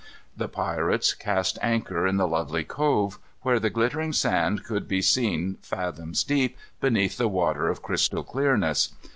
The pirates cast anchor in the lovely cove, where the glittering sand could be seen fathoms deep, beneath the water of crystal clearness.